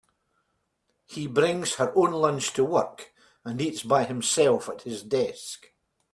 He brings her own lunch to work, and eats by himself at his desk.